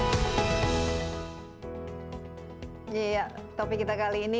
jadi kita akan mulai dari tempat tempat yang paling penting yaitu di tempat tempat